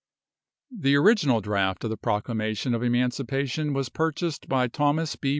The original draft of the proclamation of Emancipation was purchased by Thos. B.